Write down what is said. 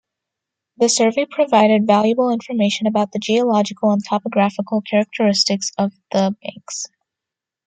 The survey provided valuable information about the geological and topographical characteristics of the banks.